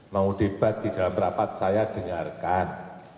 mau debat di dalam rapat saya dengarkan